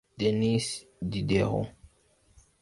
Denis Diderot